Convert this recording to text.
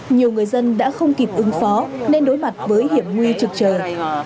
nhiều người dân đã không kịp ứng phó nên đối mặt với hiểm nguy trực trời